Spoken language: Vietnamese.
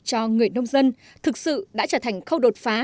cho người nông dân thực sự đã trở thành khâu đột phá